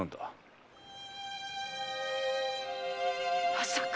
まさか！